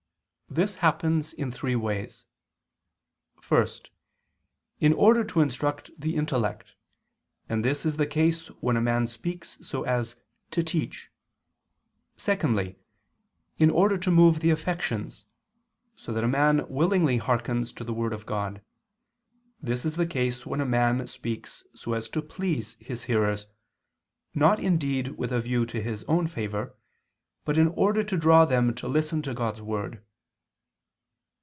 _ This happens in three ways. First, in order to instruct the intellect, and this is the case when a man speaks so as to teach. Secondly, in order to move the affections, so that a man willingly hearkens to the word of God. This is the case when a man speaks so as to please his hearers, not indeed with a view to his own favor, but in order to draw them to listen to God's word.